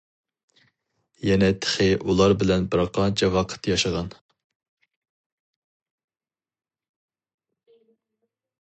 يەنە تېخى ئۇلار بىلەن بىر قانچە ۋاقىت ياشىغان.